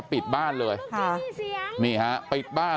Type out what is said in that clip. เดี๋ยวให้กลางกินขนม